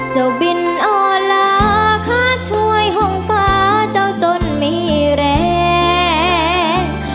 เจ้าบิลอลาข้าช่วยห่องฟ้าเจ้าจนมีแรง